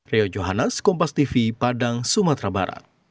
rio johannes kompas tv padang sumatera barat